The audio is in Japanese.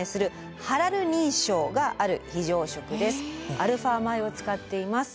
アルファ米を使っています。